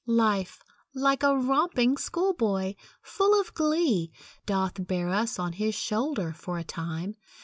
LIFE Life, like a romping schoolboy, full of glee, Doth bear us on his shoulder for a time.